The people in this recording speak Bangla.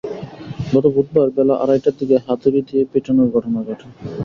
গত বুধবার বেলা আড়াইটার দিকে হাতুড়ি দিয়ে পেটানোর ঘটনা ঘটে।